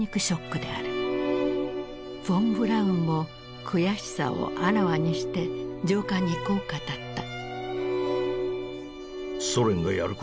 フォン・ブラウンも悔しさをあらわにして上官にこう語った。